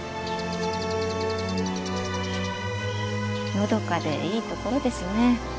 のどかでいいところですね。